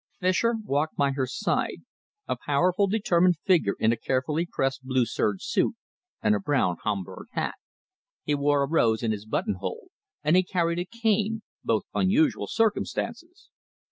Fischer walked by her side a powerful, determined figure in a carefully pressed blue serge suit and a brown Homburg hat. He wore a rose in his buttonhole, and he carried a cane both unusual circumstances.